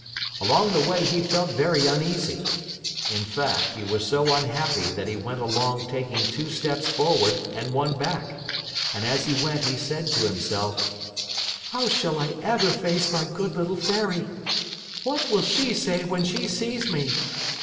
Along the way he felt very uneasy. In fact he was so unhappy that he went along taking two steps forward and one back, and as he went he said to himself: "How shall I ever face my good little Fairy? What will she say when she sees me?